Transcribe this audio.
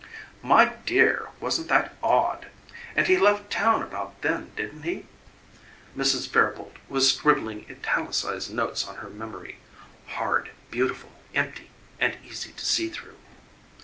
"My DEAR, wasn't that ODD! And he left town about then didn't he?" Mrs. Fairboalt was scribbling italicized notes on her memory "hard, beautiful, empty, and easy to see through."